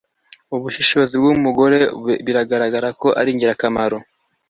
Ubushishozi bwumugore biragaragara ko ari ingirakamaro.